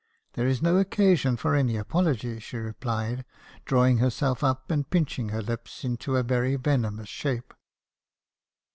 "' There is no occasion for any apology,' she replied, draw ing herself up, and pinching her lips into a very venomous shape.